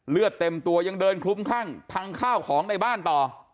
เลือดเต็มตัวยังเดินคลุ้มคลั่งพังข้าวของในบ้านต่อ